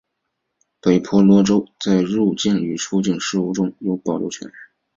北婆罗洲在入境与出境事务中有保留权。